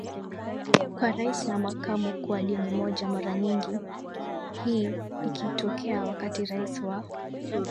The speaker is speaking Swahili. kwa Rais na Makamu kuwa dini moja mara nyingi hii ikitokea wakati Rais wa